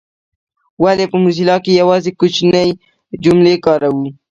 ولي په موزیلا کي یوازي کوچنۍ جملې کاروو؟